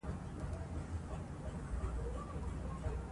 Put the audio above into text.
ستوني غرونه د افغانستان د زرغونتیا نښه ده.